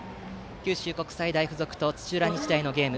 九州国際大付属と土浦日大のゲーム